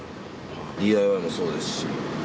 ＤＩＹもそうですし。